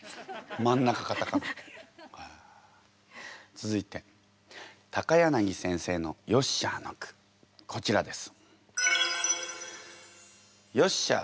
続いて柳先生の「よっしゃあ」の句こちらです。